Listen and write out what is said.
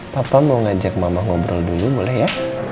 papa mau ngajak mama ngobrol dulu boleh ya